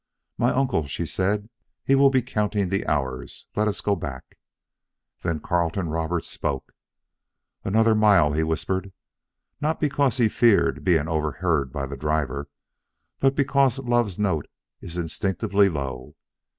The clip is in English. "My uncle," she said. "He will be counting the hours. Let us go back." Then Carleton Roberts spoke. "Another mile," he whispered, not because he feared being overheard by their driver, but because Love's note is instinctively low.